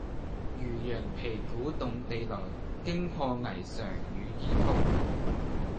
漁陽鼙鼓動地來，驚破霓裳羽衣曲。